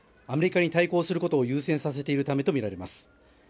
アメリカに対抗することを優先させているためとみられます。